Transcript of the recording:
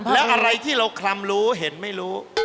แล้วอะไรที่เราคลำรู้เห็นไม่รู้